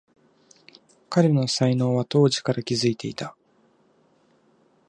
彼の才能は当時から気づいていた